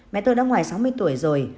mẹ tôi đã ngoài sáu mươi tuổi rồi